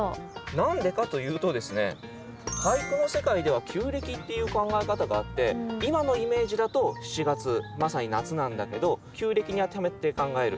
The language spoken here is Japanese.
何でかと言うとですね俳句の世界では旧暦っていう考え方があって今のイメージだと７月まさに夏なんだけど旧暦に当てはめて考える。